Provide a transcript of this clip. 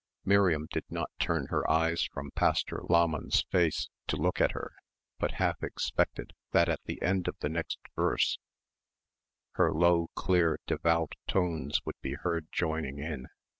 Miriam did not turn her eyes from Pastor Lahmann's face to look at her, but half expected that at the end of the next verse her low clear devout tones would be heard joining in.